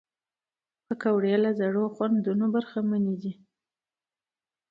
پکورې له زړو خوندونو برخمنې دي